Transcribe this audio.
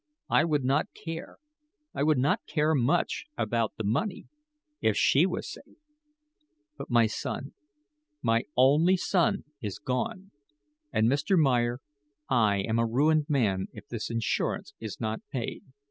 I would not care I would not care much about the money, if she was safe. But my son my only son is gone; and, Mr. Meyer, I am a ruined man if this insurance is not paid."